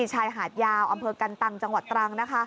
ชายหาดยาวอำเภอกันตังจังหวัดตรัง